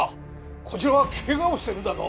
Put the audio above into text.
こちらはケガをしてるんだぞ